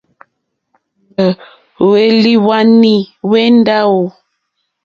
Hwélìhwwànì hwé ndáwò.